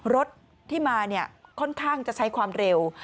รถที่มาเนี่ยค่อนข้างจะใช้ความเร็ว